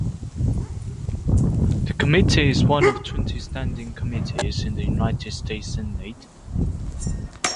The Committee is one of twenty standing committees in the United States Senate.